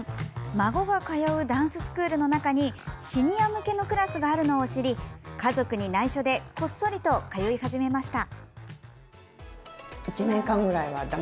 孫が通うダンススクールの中にシニア向けのクラスがあるのを知り家族にないしょでこっそりと通い始めました。